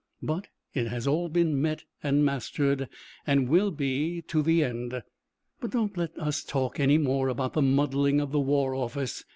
But it has all been met and mastered, and will be to the end. But don't let us talk any more about the muddling of the War Office.